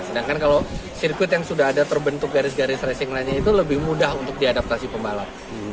sedangkan kalau sirkuit yang sudah ada terbentuk garis garis racing lainnya itu lebih mudah untuk diadaptasi pembalap